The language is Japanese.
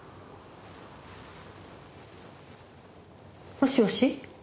もしもし。